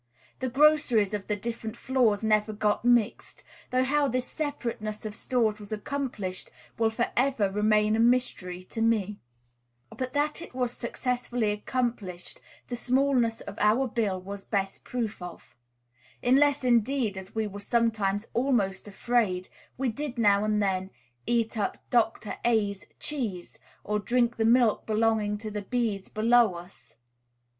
The groceries of the different floors never got mixed, though how this separateness of stores was accomplished will for ever remain a mystery to me; but that it was successfully accomplished the smallness of our bill was the best of proof, unless, indeed, as we were sometimes almost afraid, we did now and then eat up Dr. A 's cheese, or drink the milk belonging to the B's below us.